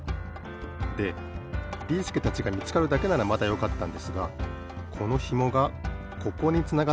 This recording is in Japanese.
でビーすけたちがみつかるだけならまだよかったんですがこのひもがここにつながってるんですよね。